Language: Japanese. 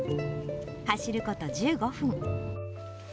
走ること１５分。